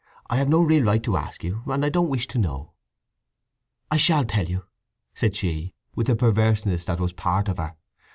"I have no real right to ask you, and I don't wish to know." "I shall tell you!" said she, with the perverseness that was part of her.